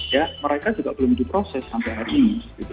ya mereka juga belum diproses sampai hari ini